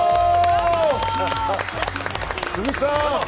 鈴木さん